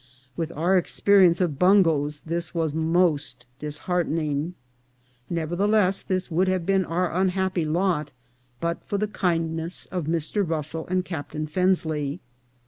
With our experience of bun goes this was most disheartening. Nevertheless, this would have been our unhappy lot but for the kindness of Mr. Russell and Captain Fensley.